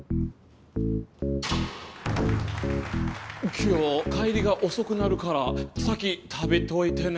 今日帰りが遅くなるから先食べといてね。